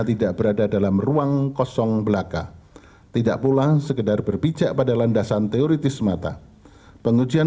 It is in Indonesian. tersisa a attributi akhirnya menyandikai penyakit diri dua miskin